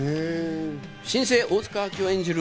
新生・大塚明夫演じる